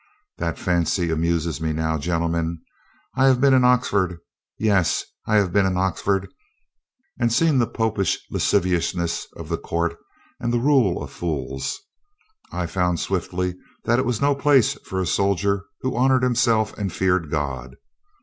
"That fancy amuses me now, gentlemen. I have been in Oxford. Yes, I have been in Oxford and seen the Popish lasciviousness of that court and the rule of fools. I found swiftly that it was no place for a soldier who honored himself and feared God.